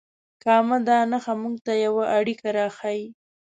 کامه دا نښه موږ ته یوه اړیکه راښیي.